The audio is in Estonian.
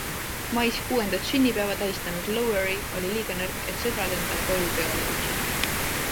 Mais kuuendat sünnipäeva tähistanud Lowery oli liiga nõrk, et sõbrad endale koju peole kutsuda.